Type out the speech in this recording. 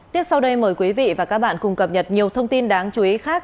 tiếp sau đây mời quý vị và các bạn cùng cập nhật nhiều thông tin đáng chú ý khác